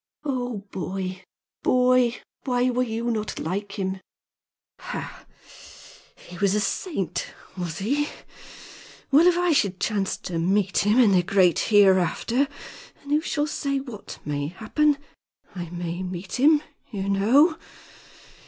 "Oh, boy! boy! Why were you not like him?" "Ha! He was a saint, was he? Well, if I should chance to meet him in the great hereafter and who shall say what may happen? I may meet him, you know.